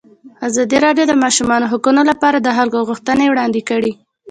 ازادي راډیو د د ماشومانو حقونه لپاره د خلکو غوښتنې وړاندې کړي.